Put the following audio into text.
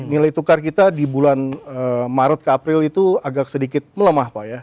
nilai tukar kita di bulan maret ke april itu agak sedikit melemah pak ya